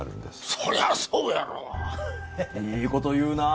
そりゃそうやろう・いいこと言うなあ